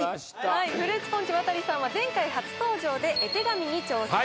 フルーツポンチ亘さんは前回初登場で絵手紙に挑戦。